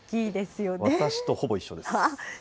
私とほぼ一緒です。